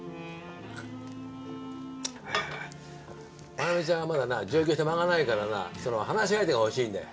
マナミちゃんはまだな上京して間がないからな話し相手が欲しいんだよな！